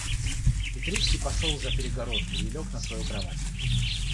Петрицкий пошел за перегородку и лег на свою кровать.